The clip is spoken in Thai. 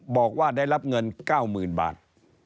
บอกว่าได้รับเงิน๙๐๐๐บาท